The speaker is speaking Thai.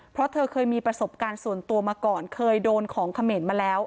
เพราะเธอเคยมีประสบการณ์ส่วนตัวมาก่อนเคยโดนของเขมรมาแล้ว